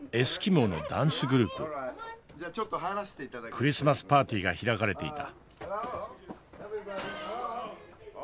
クリスマスパーティーが開かれていた。